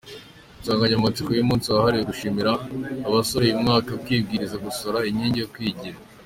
Insanganyamatsiko y’umunsi wahariwe gushimira abasora uyu mwaka ni "Kwibwiriza gusora, inkingi yo kwigira".